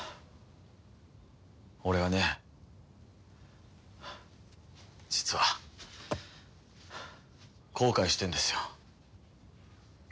俺はね実は後悔してんですよ。